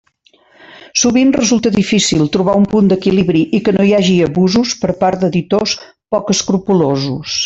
Sovint resulta difícil trobar un punt d'equilibri i que no hi hagi abusos per part d'editors poc escrupolosos.